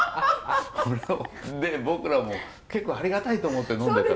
で僕らも結構ありがたいと思って呑んでた。